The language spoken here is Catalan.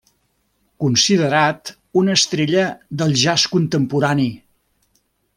Considerat una estrella del jazz contemporani.